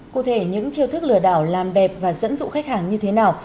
cụ thể những chiêu thức lừa đảo làm đẹp và dẫn dụ khách hàng như thế nào